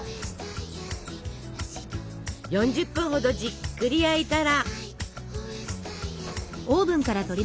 ４０分ほどじっくり焼いたら。